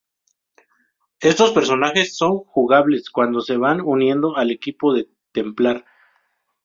Estos personajes son jugables cuando se van uniendo al equipo de Templar.